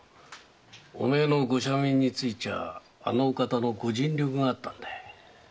お前のご赦免についちゃああのお方のご尽力があったんだ。